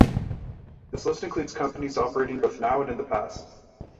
This list includes companies operating both now and in the past.